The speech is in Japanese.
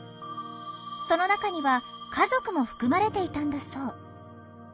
その中には家族も含まれていたんだそう。